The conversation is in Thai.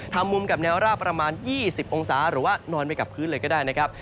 ทำมุมกับแนวราบประมาณ๒๐องศาหรือว่านอนไปกับพื้นเลยก็ได้นะครับ